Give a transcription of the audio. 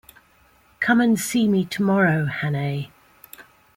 Come and see me tomorrow, Hannay.